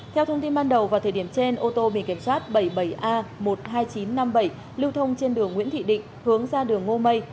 theo thông tin ban đầu vào thời điểm trên ô tô bị kiểm soát bảy mươi bảy a một mươi hai nghìn chín trăm năm mươi bảy lưu thông trên đường nguyễn thị định hướng ra đường ngô mây